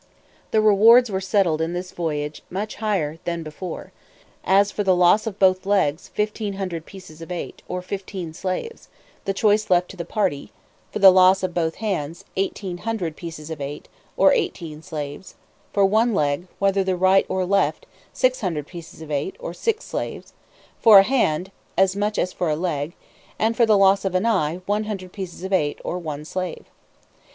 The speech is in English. The rewards were settled in this voyage much higher than before: as, for the loss of both legs, fifteen hundred pieces of eight, or fifteen slaves, the choice left to the party, for the loss of both hands, eighteen hundred pieces of eight, or eighteen slaves: for one leg, whether right or left, six hundred pieces of eight, or six slaves: for a hand, as much as for a leg; and for the loss of an eye, one hundred pieces of eight, or one slave.